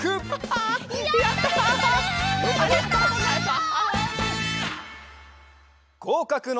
ありがとうございます！